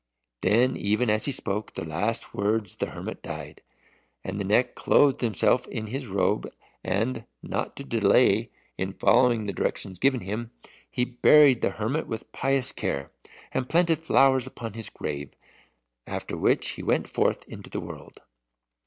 Then even as he spoke the last words the hermit died. And the Neck clothed himself in his robe, and, not to delay in following the directions given to him, he buried the hermit with pious care, and planted flowers upon his grave. After which he went forth into the world.